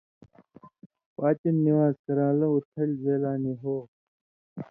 پاتیوں نِوان٘ز کران٘لہ اُتھل زئ لا نی ہوں